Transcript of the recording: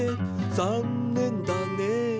「ざんねんだねえ」